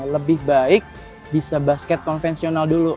lebih baik bisa basket konvensional dulu